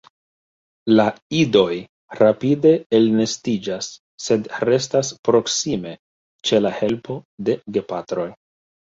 La idoj rapide elnestiĝas sed restas proksime ĉe la helpo de gepatroj.